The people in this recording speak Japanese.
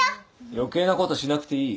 余計なことしなくていい。